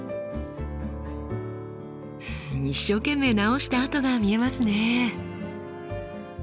一生懸命直した跡が見えますね。